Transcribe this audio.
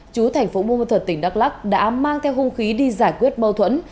chú thành phố môn thuật tỉnh đắk lắc đã mang theo hung khí đi giải quyết bâu thuẫn